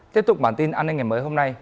tiếp tục bản tin an ninh ngày mới hôm nay